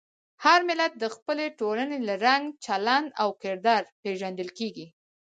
هر ملت د خپلې ټولنې له رنګ، چلند او کردار پېژندل کېږي.